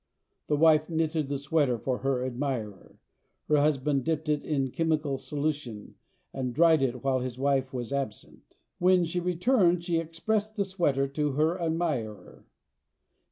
The wife knitted the sweater for her admirer. Her husband dipped it in chemical solution and dried it while his wife was absent. When she returned she expressed the sweater to her admirer.